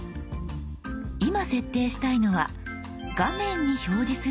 今設定したいのは「画面に表示する文字の大きさ」。